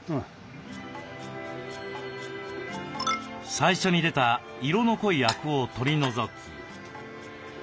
最初に出た色の濃いアクを取り除き。